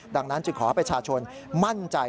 ดังนั้นจึงขอให้ประชาชนมั่นใจ